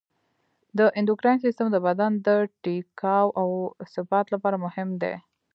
د اندوکراین سیستم د بدن د ټیکاو او ثبات لپاره مهم دی.